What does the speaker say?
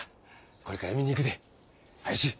これから見に行くで。はよしぃ。